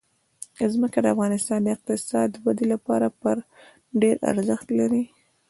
ځمکه د افغانستان د اقتصادي ودې لپاره ډېر ارزښت لري.